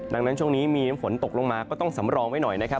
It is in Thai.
ดังนั้นช่วงนี้มีฝนตกลงมาก็ต้องสำรองไว้หน่อยนะครับ